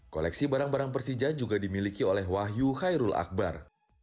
koleksi barang barang persija juga dimiliki oleh wahyu khairul akbar